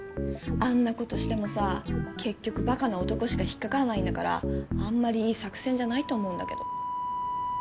あんなことしてもさ結局バカな男しか引っ掛からないんだからあんまりいい作戦じゃないと思うんだけど。